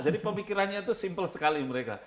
jadi pemikirannya itu simpel sekali mereka